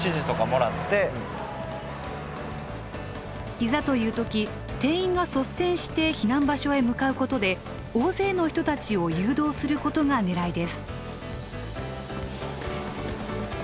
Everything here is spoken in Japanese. いざという時店員が率先して避難場所へ向かうことで大勢の人たちを誘導することがねらいです。